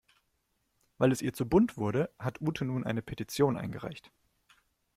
Weil es ihr zu bunt wurde, hat Ute nun eine Petition eingereicht.